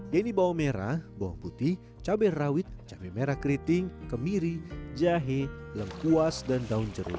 yaitu bawang merah bawang putih cabai rawit cabai merah keriting kemiri jahe lengkuas dan daun jeruk